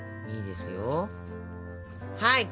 いいですよ。